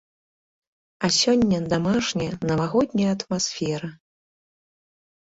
А сёння дамашняя, навагодняя атмасфера.